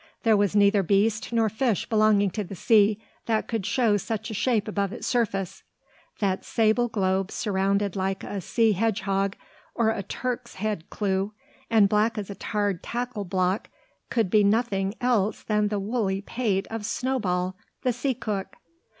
There was neither beast nor fish belonging to the sea that could show such a shape above its surface. That sable globe, rounded like a sea hedgehog, or a Turk's head clew, and black as a tarred tackle block, could be nothing else than the woolly pate of Snowball, the sea cook!